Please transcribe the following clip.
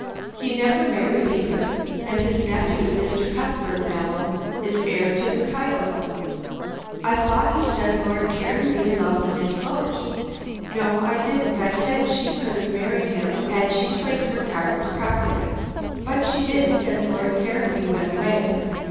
He never married either, and his nephew, Mr. Cuthbert Mallow, is heir to the title." "I thought you said Lord Caranby loved Miss Loach?" "No, I didn't. I said she could have married him had she played her cards properly. But she didn't, and Lord Caranby went away.